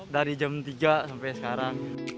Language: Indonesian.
dari jam tiga sampai sekarang